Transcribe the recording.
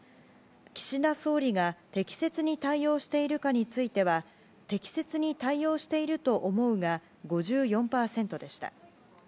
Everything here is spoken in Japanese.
岸田総理は適切に対応していると思うかについては適切に対応していると思うが５４％でした。